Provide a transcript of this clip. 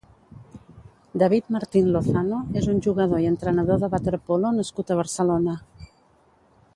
David Martín Lozano és un jugador i entrenador de waterpolo nascut a Barcelona.